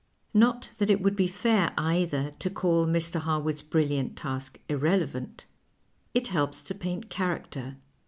Not that it woidd be fair, either, to call Mr. Har wood's brilliant task irrelevant. It helps to paint character.